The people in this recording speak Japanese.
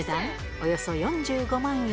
およそ４５万円。